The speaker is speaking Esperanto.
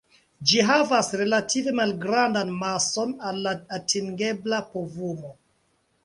Ĝi havas relative malgrandan mason al la atingebla povumo.